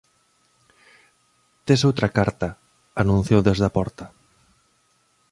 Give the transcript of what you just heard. _Tes outra carta _anunciou desde a porta_.